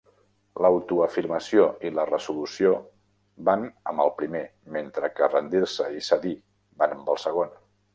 L'autoafirmació i la resolució van amb el primer, mentre que rendir-se i cedir van amb el segon.